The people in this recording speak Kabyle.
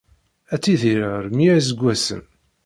Ad tidireḍ mya iseggasen.